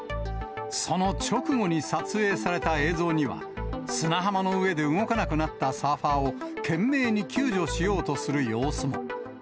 その直後に撮影された映像には、砂浜の上で動かなくなったサーファーを懸命に救助しようとする様子も。